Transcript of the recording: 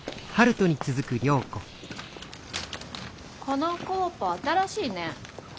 このコーポ新しいね。